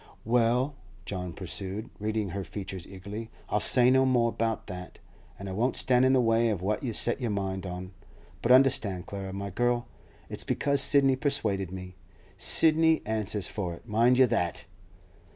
'Well,' John pursued, reading her features eagerly, 'I'll say no more about that, and I won't stand in the way of what you've set your mind on. But understand, Clara, my girl! It's because Sidney persuaded me. Sidney answers for it, mind you that!